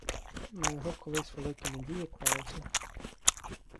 На його колись великі надії клалися.